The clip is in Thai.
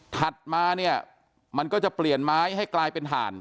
ถัดมาเนี่ยมันก็จะเปลี่ยนไม้ให้กลายเป็นถ่าน